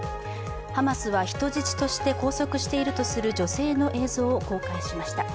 フランスは人質として拘束しているとする女性の映像を公開しました。